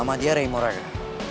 nama dia rey moraga